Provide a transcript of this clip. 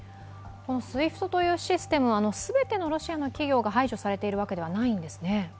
ＳＷＩＦＴというシステムすべてのロシアの企業が排除されているわけではないんですね。